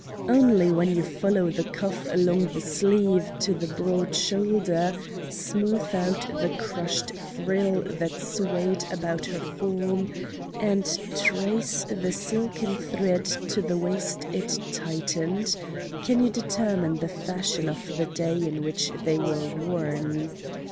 Only when you follow the cuff along the sleeve to the broad shoulder; smooth out the crushed frill that swayed about her form, and trace the silken thread to the waist it tightened, can you determine the fashion of the day in which they were worn.